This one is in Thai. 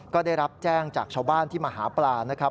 ก็ได้รับแจ้งจากชาวบ้านที่มหาปลา